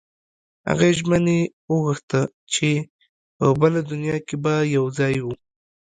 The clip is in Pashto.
هغې ژمنه وغوښته چې په بله دنیا کې به یو ځای وو